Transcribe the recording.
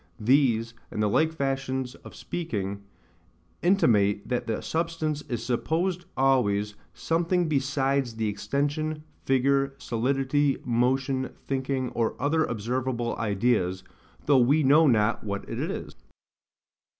These, and the like fashions of speaking, intimate that the substance is supposed always SOMETHING BESIDES the extension, figure, solidity, motion, thinking, or other observable ideas, though we know not what it is.